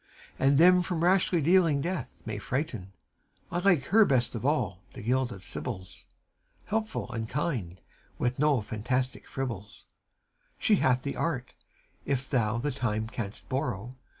And them from rashly dealing death may frighten. I like her best of all the guild of Sibyls, — Helpful and kind, with no fantastic fribbles; She hath the art, if thou the time canst borrow.